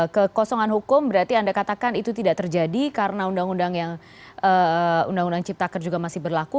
kekosongan hukum berarti anda katakan itu tidak terjadi karena undang undang cipta kerja juga masih berlaku